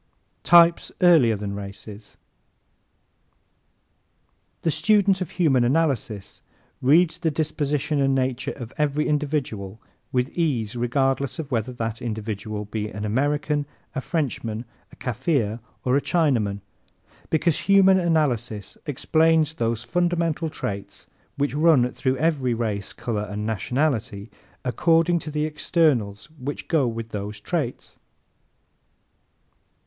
Types Earlier than Races ¶ The student of Human Analysis reads the disposition and nature of every individual with ease regardless of whether that individual be an American, a Frenchman, a Kaffir or a Chinaman, because Human Analysis explains those fundamental traits which run through every race, color and nationality, according to the externals which always go with those traits.